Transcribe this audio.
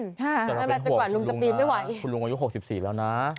แต่เราเป็นห่วงคุณลุงนะจนกว่าลุงจะปีนไม่ไหว